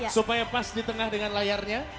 supaya pas di tengah dengan layarnya